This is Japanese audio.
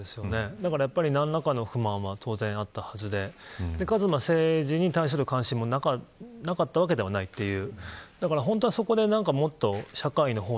だから、やっぱり何らかの不満は当然あったわけでかつ、政治に関する関心もなかったわけではないという。